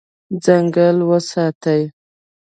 ځنګل وساتئ.